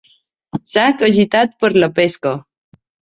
Sac agitat per la pesca.